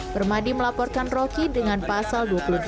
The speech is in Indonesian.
permadi melaporkan roky dengan pasal dua puluh empat